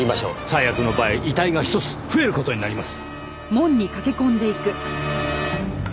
最悪の場合遺体が１つ増える事になります。